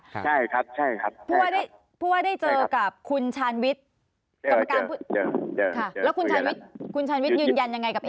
พูดว่าได้เจอกับคุณชานวิจกรรมกรามคุณชานวิจค่ะแล้วคุณชานวิจ